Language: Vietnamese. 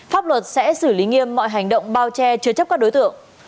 pháp luật sẽ xử lý nghiêm mọi hành động bao che chứa chấp các đối tượng